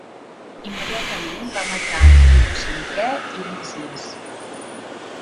Immediatament va matar Antíoc V i Lísies.